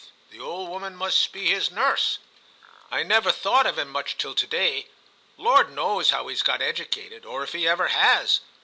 The old woman must be his nurse ; I never thought of him much till to day. Lord knows how he s got educated, or if he ever has.